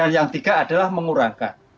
yang tiga adalah mengurangkan